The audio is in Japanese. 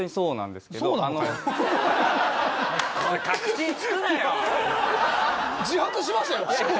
別に自白しましたよ。